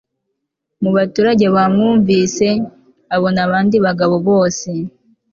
mu baturage bamwumvise, abona abandi bagabo bose